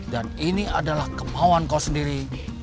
ini adalah kemauan kau sendiri